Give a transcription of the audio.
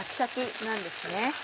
そうなんですね。